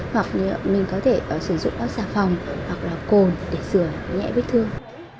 hoặc mình có thể sử dụng xà phòng hoặc là cồn để sửa nhẹ vết thương